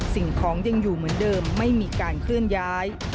สิ่งของยังอยู่เหมือนเดิมไม่มีการเคลื่อนย้าย